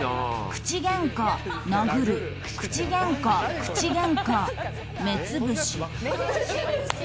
口げんか、殴る、口げんか口げんか、目つぶし。